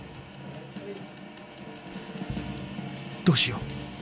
どうしよう？